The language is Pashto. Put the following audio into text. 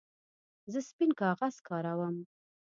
زه سپین کاغذ کاروم.